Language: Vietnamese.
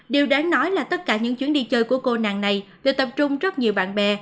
điều đáng nói là tất cả những chuyến đi chơi của cô nàng này đều tập trung rất nhiều bạn bè